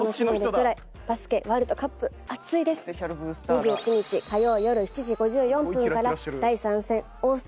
２９日火曜よる７時５４分から第３戦オーストラリア戦。